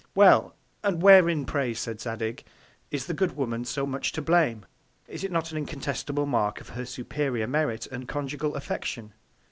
Well! and wherein, pray, said Zadig, is the good Woman so much to blame? Is it not an incontestable Mark of her superior Merit and Conjugal Affection?